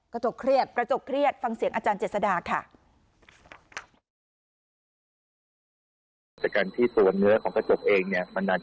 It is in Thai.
กระจกเครียดกระจกเครียดฟังเสียงอาจารย์เจษดาค่ะ